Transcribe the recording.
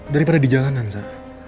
daripada di jalanan sa